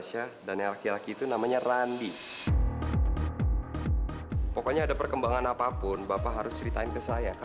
sampai jumpa di video selanjutnya